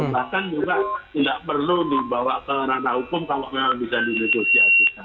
bahkan juga tidak perlu dibawa ke ranah hukum kalau memang bisa dinegosiasikan